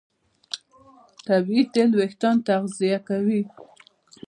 طبیعي تېل وېښتيان تغذیه کوي.